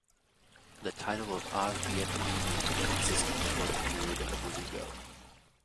The title of "av beit din" existed before the period of the zugot.